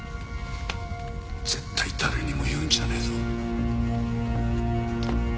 絶対誰にも言うんじゃねえぞ。